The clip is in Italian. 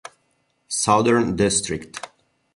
Southern District